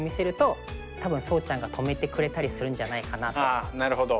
ああなるほど。